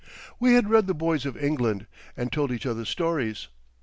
We had read the Boys of England, and told each other stories.